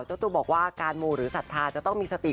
เจ้าตัวบอกว่าการมูหรือศรัทธาจะต้องมีสติ